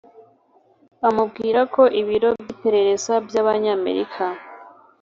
amubwira ko ibiro by'iperereza by'abanyamerika